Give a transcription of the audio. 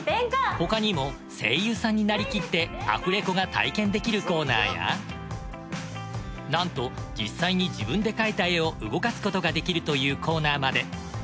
他にも声優さんになりきってアフレコが体験できるコーナーやなんと実際に自分で描いた絵を動かすことができるというコーナーまで。